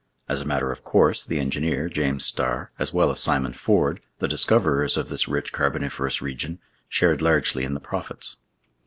As a matter of course, the engineer, James Starr, as well as Simon Ford, the discoverers of this rich carboniferous region, shared largely in the profits.